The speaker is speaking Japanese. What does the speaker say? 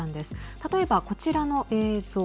例えば、こちらの映像。